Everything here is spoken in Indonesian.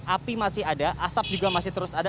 api masih ada asap juga masih terus ada